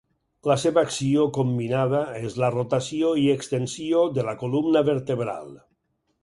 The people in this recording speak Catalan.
La seva acció combinada és la rotació i extensió de la columna vertebral.